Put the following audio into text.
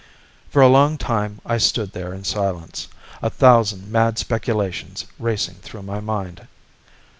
For a long time I stood there in silence, a thousand mad speculations racing through my mind.